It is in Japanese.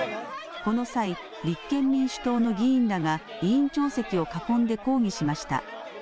この際、立憲民主党の議員らが委員長席を囲んで抗議しました。